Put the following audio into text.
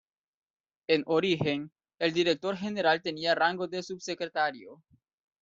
En origen, el director general tenía rango de subsecretario.